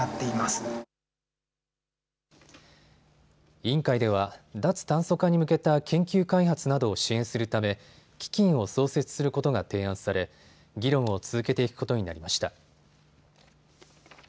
委員会では脱炭素化に向けた研究開発などを支援するため基金を創設することが提案され、議論を続けていくことになりました。